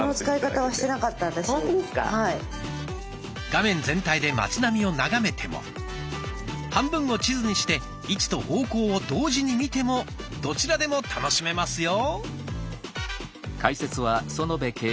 画面全体で町並みを眺めても半分を地図にして位置と方向を同時に見てもどちらでも楽しめますよ。